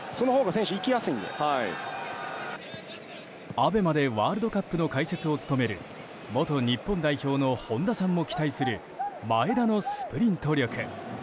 ＡＢＥＭＡでワールドカップの解説を務める元日本代表の本田さんも期待する前田のスプリント力。